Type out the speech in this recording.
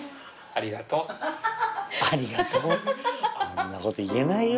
そんなこと言えないよ